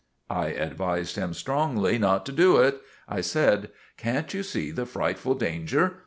I advised him strongly not to do it. I said— "Can't you see the frightful danger?